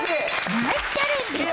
ナイスチャレンジ。